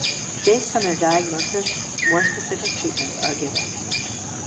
Based on their diagnosis, more specific treatments are given.